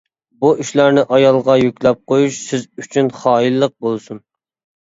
بۇ ئىشلارنى ئايالغا يۈكلەپ قويۇش سىز ئۈچۈن خائىنلىق بولسۇن!